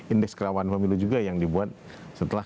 indeks kerawanan pemilu juga yang dibuat setelah